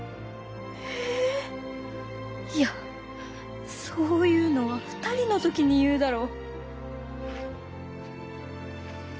えいやそういうのは２人の時に言うだろ。